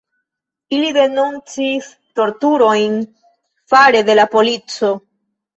Ili denuncis torturojn fare de la polico.